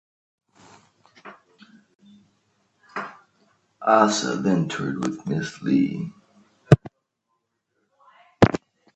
Aasa then toured with Miss Li.